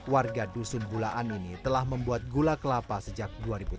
warga dusun gulaan ini telah membuat gula kelapa sejak dua ribu tiga